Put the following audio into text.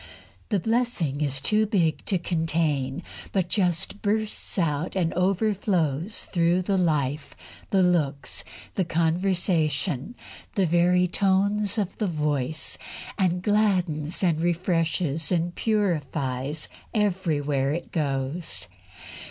The blessing is too big to contain, but just bursts out and overflows through the life, the looks, the conversation, the very tones of the voice, and gladdens and refreshes and purifies wherever it goes.